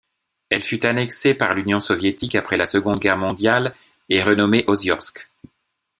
Elle fut annexée par l'Union soviétique après la Seconde Guerre mondiale et renommée Oziorsk.